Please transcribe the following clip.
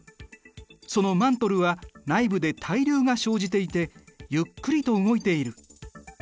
そのマントルは内部で対流が生じていてゆっくりと動いている。